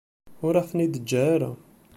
Ur aɣ-ten-id-teǧǧa ara.